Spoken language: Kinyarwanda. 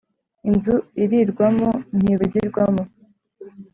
Inzu irirwamo ntivugirwamo